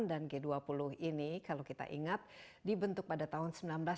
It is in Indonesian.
dan g dua puluh ini kalau kita ingat dibentuk pada tahun seribu sembilan ratus sembilan puluh sembilan